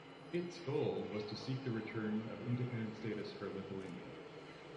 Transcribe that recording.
Its goal was to seek the return of independent status for Lithuania.